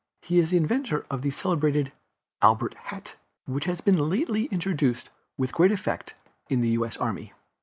He is the inventor of the celebrated "Albert hat," which has been lately introduced with great effect in the U. S. Army.